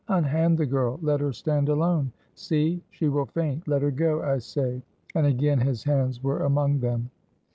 Unhand the girl! Let her stand alone. See; she will faint; let her go, I say!" And again his hands were among them.